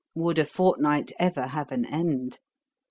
Would a fortnight ever have an end?